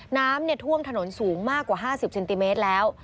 น้ำท่วมถนนสูงมากกว่า๕๐เซนติเมตรแล้ว